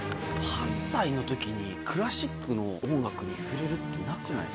８歳の時にクラシックの音楽に触れるってなくない？